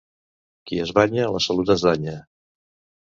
Qui es banya la salut es danya.